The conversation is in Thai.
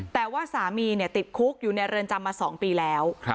แต่ว่าสามีติดคุกอยู่ในเรือนจำมา๒ปีแล้ว